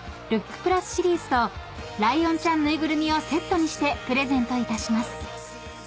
ＰＬＵＳシリーズとライオンちゃん縫いぐるみをセットにしてプレゼントいたします］